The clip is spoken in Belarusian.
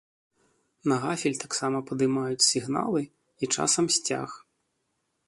На гафель таксама падымаюць сігналы і часам сцяг.